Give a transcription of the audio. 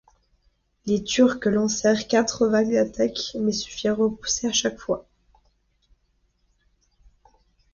Les Turcs lancèrent quatre vagues d'attaques mais se firent repousser à chaque fois.